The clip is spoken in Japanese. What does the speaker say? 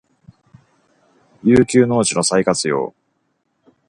遊休農地の再活用